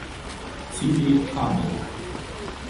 Sidi Abed